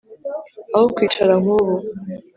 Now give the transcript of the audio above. Aho kwicara nk'ubu